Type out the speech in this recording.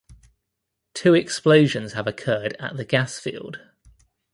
Two explosions have occurred at the gas field.